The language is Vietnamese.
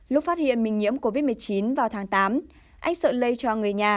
lúc phát hiện mình nhiễm covid một mươi chín vào tháng tám anh sợ lây cho người nhà